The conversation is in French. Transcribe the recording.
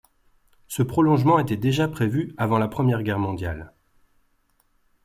Ce prolongement était déjà prévu avant la Première Guerre mondiale.